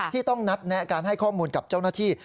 ที่ต้องนัดแนะการให้ข้อมูลกับเจ้าหน้าที่